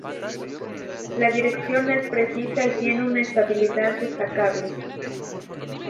La dirección es precisa y tiene una estabilidad destacable.